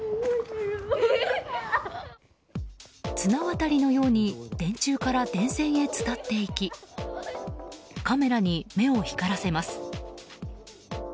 綱渡りのように電柱から電線へ伝っていきカメラに目を光らせます。